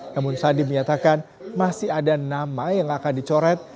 namun sandi menyatakan masih ada nama yang akan dicoret